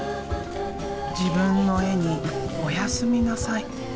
自分の絵に「おやすみなさい」。